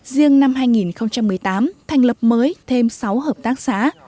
riêng năm hai nghìn một mươi tám thành lập mới thêm sáu hợp tác xã